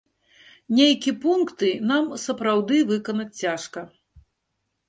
Нейкі пункты нам сапраўды выканаць цяжка.